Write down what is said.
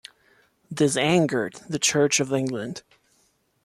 This angered the Church of England.